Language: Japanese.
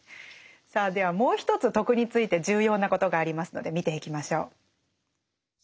さあではもう一つ「徳」について重要なことがありますので見ていきましょう。